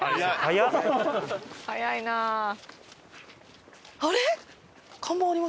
速いなあ。